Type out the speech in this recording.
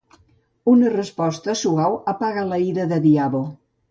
Una resposta suau apaga la ira de Diabo